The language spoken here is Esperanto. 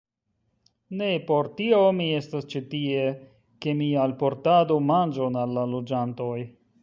Ne por tio mi estas ĉi tie, ke mi alportadu manĝon al la loĝantoj.